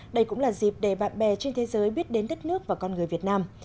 đây cũng là dịp để bạn bè trên thế giới biết đến đất nước và con người việt nam